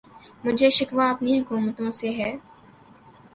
مجھے شکوہ اپنی حکومتوں سے ہے